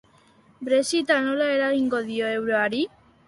Brexita nola eragingo dio euroari?